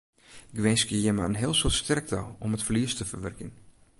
Ik winskje jimme in heel soad sterkte om it ferlies te ferwurkjen.